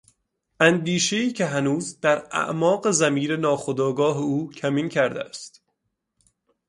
اندیشهای که هنوز در اعماق ضمیر ناخودآگاه او کمین کرده است